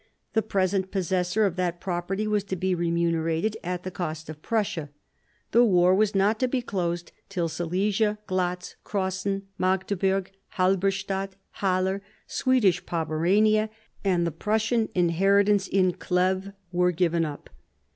The present possessor of that property was to be remunerated at the cost of Prussia. The war was not to be closed till Silesia, Glatz, Crossen, Magdeburg, Halberstadt, Haller, Swedish Pomerania, and the Prussian inheritance in Cleves were given up.